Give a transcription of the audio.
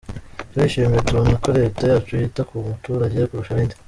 Turishimye tubonye ko Leta yacu yita ku muturage kurusha ibindi.